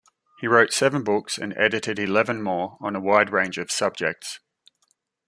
He wrote seven books and edited eleven more on a wide range of subjects.